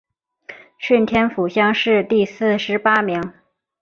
顺天府乡试第四十八名。